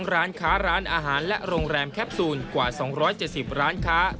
ร้านค้าร้านอาหารและโรงแรมแคปซูลกว่า๒๗๐ร้านค้า